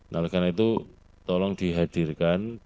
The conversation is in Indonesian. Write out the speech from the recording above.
nah oleh karena itu tolong dihadirkan